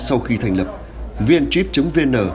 sau khi thành lập vn trip vn